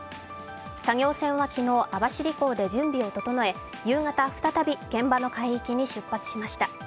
作業船は昨日、網走港で準備を整え夕方、再び現場の海域に出発しました。